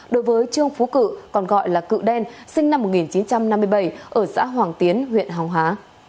đối với trương phú cự còn gọi là cự đen sinh năm một nghìn chín trăm năm mươi bảy ở xã hoàng tiến huyện hồng hà